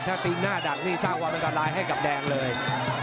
ถ้าตีนหน้าดัดนี้ซ่าวะมันก็ลายให้กับแดงเลย